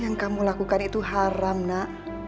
yang kamu lakukan itu haram nak